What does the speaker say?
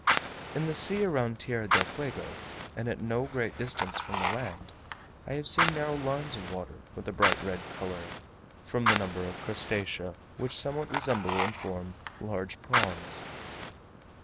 In the sea around Tierra del Fuego, and at no great distance from the land, I have seen narrow lines of water of a bright red colour, from the number of crustacea, which somewhat resemble in form large prawns.